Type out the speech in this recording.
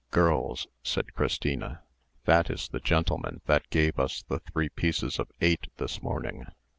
"Girls," said Christina, "that is the gentleman that gave us the three pieces of eight this morning."